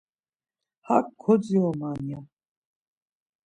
Hak kodziroman ya.